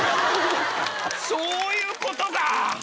そういうことか！